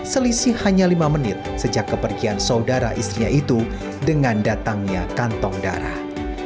selisih hanya lima menit sejak kepergian saudara istrinya itu dengan datangnya kantong darah